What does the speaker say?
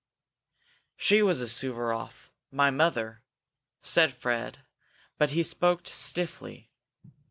"She was a Suvaroff my mother," said Fred, but he spoke stiffly.